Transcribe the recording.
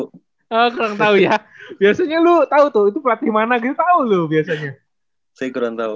oh kurang tau ya biasanya lu tau tuh itu pelatih mana gitu tau lu biasanya